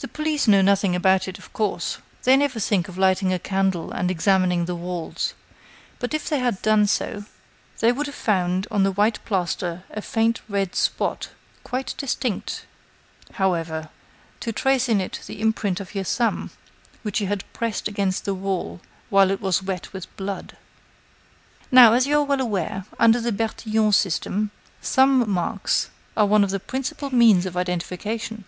"The police know nothing about it, of course. They never think of lighting a candle and examining the walls. But if they had done so, they would have found on the white plaster a faint red spot, quite distinct, however, to trace in it the imprint of your thumb which you had pressed against the wall while it was wet with blood. Now, as you are well aware, under the Bertillon system, thumb marks are one of the principal means of identification."